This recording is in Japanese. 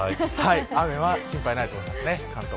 雨は心配ないと思います。